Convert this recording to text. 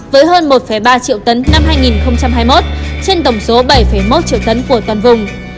với hơn một ba triệu tấn năm hai nghìn hai mươi một trên tổng số bảy một triệu tấn của toàn vùng